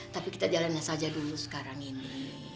tapi kita jalannya saja dulu sekarang ini